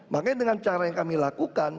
makanya dengan cara yang kami lakukan